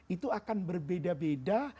itu akan berbeda beda